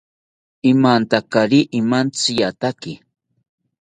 Imantakari imantziyataki